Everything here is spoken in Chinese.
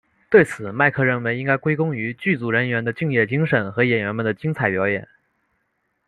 对此麦克认为应该归功于剧组人员的敬业精神和演员们的精彩表演。